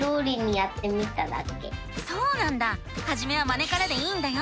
そうなんだはじめはまねからでいいんだよ！